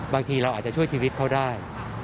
บางทีเราอาจจะช่วยชีวิตเขาได้